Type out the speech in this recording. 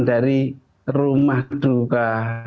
dari rumah duka